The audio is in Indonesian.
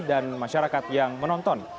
dan masyarakat yang menonton